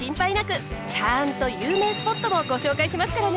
ちゃんと有名スポットもご紹介しますからね。